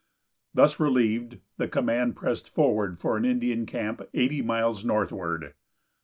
Thus relieved, the command pressed forward for an Indian camp eighty miles northward.